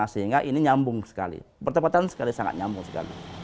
sehingga ini nyambung sekali pertempatan sekali sangat nyambung sekali